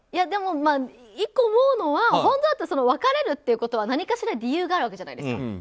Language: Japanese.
でも、１個思うのは本当だったら別れるということは何かしら理由があるわけじゃないですか。